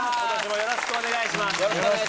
よろしくお願いします